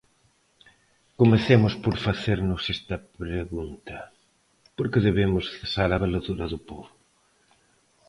Comecemos por facernos esta pregunta: ¿por que debemos cesar a valedora do pobo?